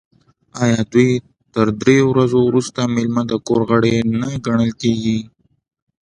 آیا تر دریو ورځو وروسته میلمه د کور غړی نه ګڼل کیږي؟